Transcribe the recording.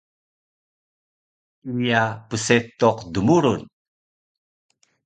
Iya psetuq dmurun